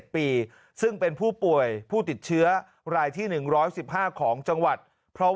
ปีซึ่งเป็นผู้ป่วยผู้ติดเชื้อรายที่๑๑๕ของจังหวัดพร้อม